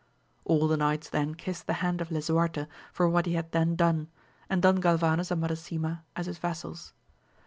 All the knights then kissed the hand of Lisuarte for what he had then done, and Don Galvanes and Madasima as his vassals.